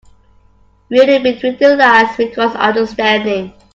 Reading between the lines requires understanding.